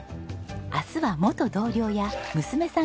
明日は元同僚や娘さん